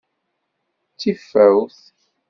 D tifawt.